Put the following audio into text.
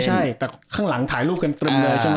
ใช่แบบข้างหลังถ่ายรูปกันเต็มเลยใช่มั้ย